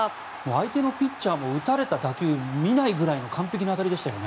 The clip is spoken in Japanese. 相手のピッチャーも打たれた打球を見ないぐらいの完璧な当たりでしたよね。